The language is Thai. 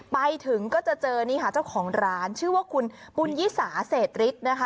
ไปถึงก็จะเจอนี่ค่ะเจ้าของร้านชื่อว่าคุณปุญยิสาเศษฤทธิ์นะคะ